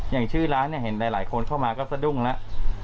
อย่างชื่อร้านเนี่ยเห็นหลายคนเข้ามาก็สะดุ้งแล้ว